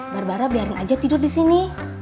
barbara biarin aja tidur di sini